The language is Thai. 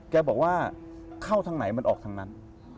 แกบอกว่าเข้าทางไหนมันออกทางนั้น